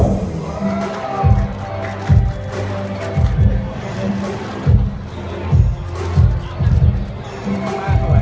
สโลแมคริปราบาล